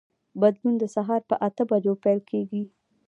بدلون د سهار په اته بجو پیل کېږي.